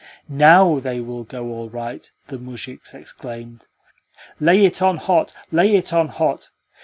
"NOW they will go all right!" the muzhiks exclaimed. "Lay it on hot, lay it on hot!